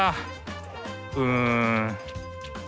うん。